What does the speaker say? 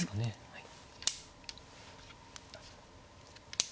はい。